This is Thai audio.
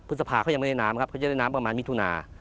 ฤษภาเขายังไม่ได้น้ำครับเขาจะได้น้ำประมาณมิถุนา